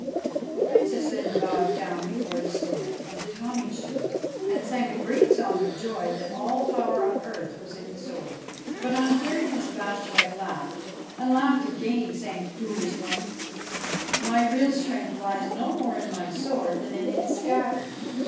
The Princess then bowed down before his sword and did homage to it, and sang a great song of joy that all power on earth was in the sword. But, on hearing this, Bashtchelik laughed, and laughed again, saying, ' Foolish one I my real strength lies no more in my sword than in its scabbard.'